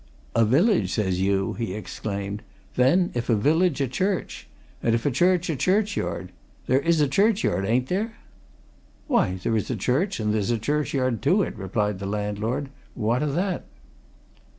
"A village, says you!" he exclaimed. "Then if a village, a church. And if a church, a churchyard. There is a churchyard, ain't there?" "Why, there is a church, and there's a churchyard to it," replied the landlord. "What o' that?"